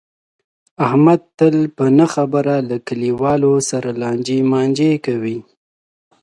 احمد تل په نه خبره له کلیواو سره لانجې مانجې کوي.